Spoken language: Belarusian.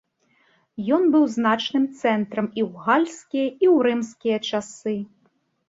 Ён быў значным цэнтрам і ў гальскія, і ў рымскія часы.